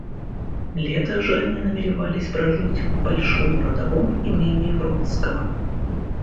Лето же они намеревались прожить в большом родовом имении Вронского.